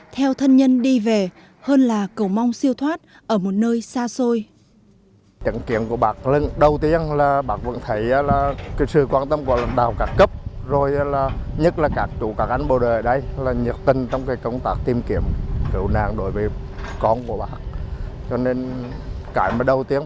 theo thân nhân đi về hơn là cầu mong siêu thoát ở một nơi xa xôi